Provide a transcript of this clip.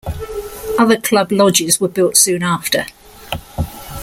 Other club lodges were built soon after.